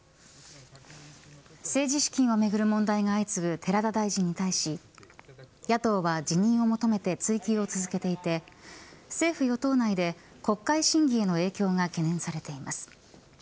政治資金をめぐる問題が相次ぐ寺田大臣に対し野党は辞任を求めて追及を続けていて政府与党内で国会審議への影響が懸念されています。